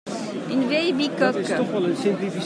Une vieille bicoque.